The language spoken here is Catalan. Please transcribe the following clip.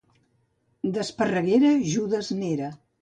D'Esparreguera, Judes n'era.